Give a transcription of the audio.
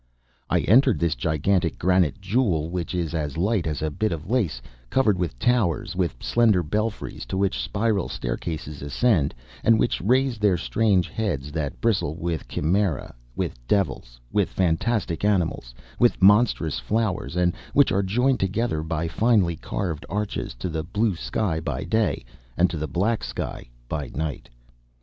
I entered this gigantic granite jewel which is as light as a bit of lace, covered with towers, with slender belfries to which spiral staircases ascend, and which raise their strange heads that bristle with chimeras, with devils, with fantastic animals, with monstrous flowers, and which are joined together by finely carved arches, to the blue sky by day, and to the black sky by night.